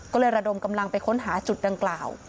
ก็เลยระดมกำลังไปค้นหาจุดดังกล่าว